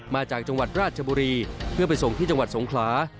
มาจากจังหวัดราชบุรีเพื่อไปส่งที่จังหวัดสงขลา